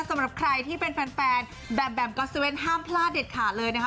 สำหรับใครที่เป็นแฟนแบบแบมก๊อสเว่นห้ามพลาดเด็ดขาดเลยนะคะ